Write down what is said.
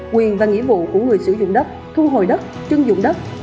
quyền và nghĩa vụ của người sử dụng đất thu hồi đất chưng dụng đất